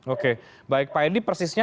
oke baik pak edi persisnya